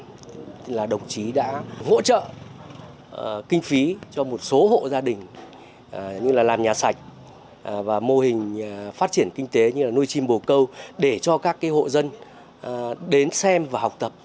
thứ hai là đồng chí đã hỗ trợ kinh phí cho một số hộ gia đình như là làm nhà sạch và mô hình phát triển kinh tế như là nuôi chim bồ câu để cho các hộ dân đến xem và học tập